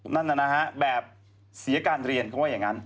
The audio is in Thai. นั่นนะฮะแบบเสียการเรียนเขาว่าอย่างนั้น